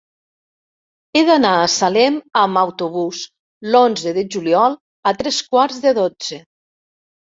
He d'anar a Salem amb autobús l'onze de juliol a tres quarts de dotze.